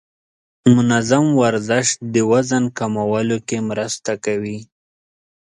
منظم ورزش د وزن کمولو کې مرسته کوي.